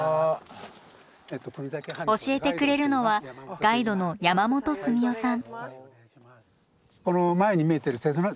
教えてくれるのはガイドの山本純夫さん。